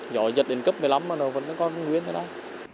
giỏi dật đến cấp một mươi năm mà nó vẫn còn nguyên thế này